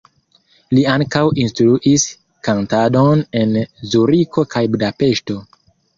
Li ankaŭ instruis kantadon en Zuriko kaj Budapeŝto.